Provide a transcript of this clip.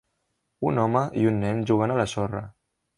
Un home i un nen jugant a la sorra.